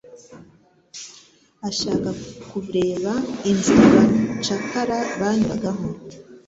ashaka kureba inzira abacakara banyuragamo,